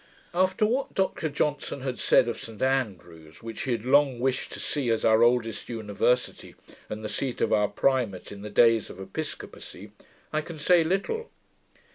After what Dr Johnson had said of St Andrews, which he had long wished to see, as our oldest university, and the seat of our Primate in the days of episcopacy, I can say little.